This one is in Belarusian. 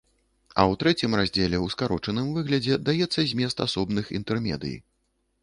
А ў трэцім раздзеле ў скарочаным выглядзе даецца змест асобных інтэрмедый.